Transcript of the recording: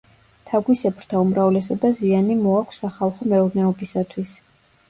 თაგვისებრთა უმრავლესობა ზიანი მოაქვს სახალხო მეურნეობისათვის.